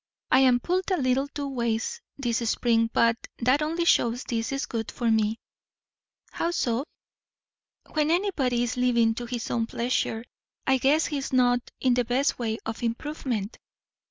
I am pulled a little two ways this spring but that only shows this is good for me." "How so?" "When anybody is living to his own pleasure, I guess he is not in the best way of improvement."